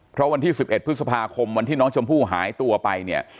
เพราะวันที่๑๑พฤษภาคมวันที่น้องชมพู่หายตัวไปเนี่ย